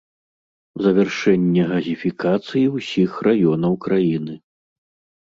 Завяршэнне газіфікацыі ўсіх раёнаў краіны.